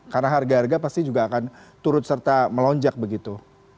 karena harga harga pasti juga akan turut serta melonjak begitu